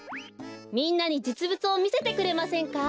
みんなにじつぶつをみせてくれませんか？